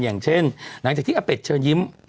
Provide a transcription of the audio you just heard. อย่างเช่นหลังจากที่อเป็ดเชิญยิ้ม